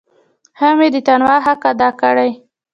هم یې د تنوع حق ادا کړی.